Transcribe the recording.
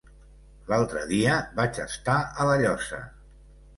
L'altre dia vaig estar a La Llosa.